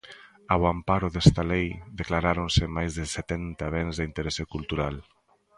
Ao amparo desta lei, declaráronse máis de setenta bens de interese cultural.